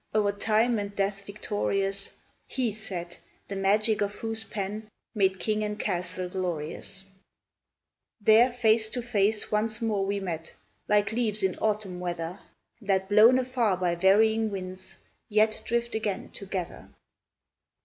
O'er time and death victorious, He sat, the magic of whose pen Made king and castle glorious — There, face to face, once more we met, Like leaves in autumn weather. That blown afar by varying winds. Yet drift again together.